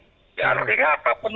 jadi sekali lagi daya tahan tubuh kita